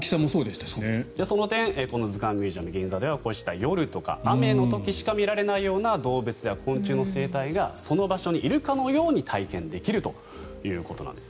その点ＺＵＫＡＮＭＵＳＥＵＭＧＩＮＺＡではこうした夜とか雨の時しか見られないような動物や昆虫の生態がその場所にいるかのように体験できるということなんです。